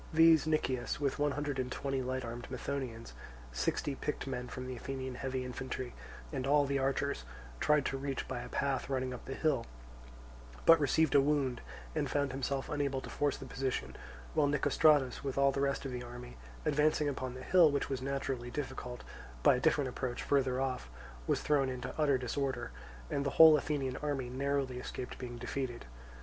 These Nicias, with one hundred and twenty light armed Methonaeans, sixty picked men from the Athenian heavy infantry, and all the archers, tried to reach by a path running up the hill, but received a wound and found himself unable to force the position; while Nicostratus, with all the rest of the army, advancing upon the hill, which was naturally difficult, by a different approach further off, was thrown into utter disorder; and the whole Athenian army narrowly escaped being defeated.